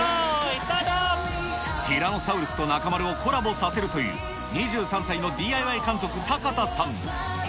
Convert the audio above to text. ティラノサウルスと中丸をコラボさせるという２３歳のＤＩＹ監督、坂田さん。